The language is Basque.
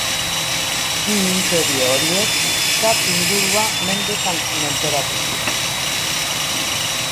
Bi inperio horiek Txad ingurua mendetan menperatu zuten.